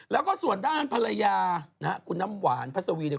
แล้วก็ส่วนด้านภรรยานะฮะคุณน้ำหวานพัสวีเนี่ย